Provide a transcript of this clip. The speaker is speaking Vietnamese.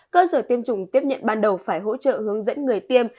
cơ sở tiêm chủng tiếp nhận ban đầu phải hỗ trợ hướng dẫn người tiêm